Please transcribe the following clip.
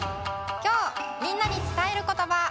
きょうみんなにつたえることば。